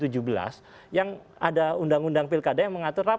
jangan kabupaten mar